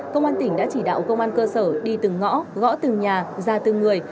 công an tỉnh đã chỉ đạo công an cơ sở đi từng ngõ gõ từng nhà ra từng người